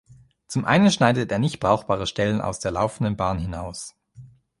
Zum einen schneidet er nicht brauchbare Stellen aus der laufenden Bahn hinaus.